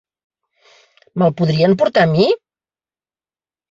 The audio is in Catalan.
Me'l podrien portar a mi?